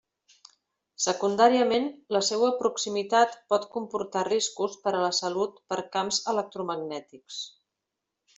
Secundàriament, la seua proximitat pot comportar riscos per a la salut per camps electromagnètics.